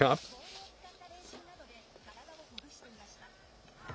ボールを使った練習などで体をほぐしていました。